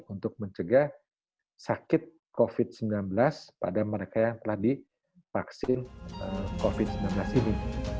untuk mencegah sakit covid sembilan belas pada mereka yang telah divaksin covid sembilan belas ini